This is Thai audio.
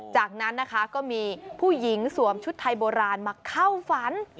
จากนั้นนะคะก็มีผู้หญิงสวมชุดไทยโบราณมาเข้าฝัน